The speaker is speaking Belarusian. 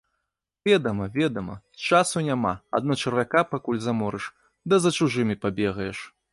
Ведама, ведама, часу няма, адно чарвяка пакуль заморыш да за чужымі пабегаеш.